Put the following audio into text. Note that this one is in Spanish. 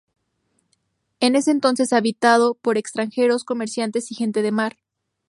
En ese entonces habitado por extranjeros comerciantes y gente de mar.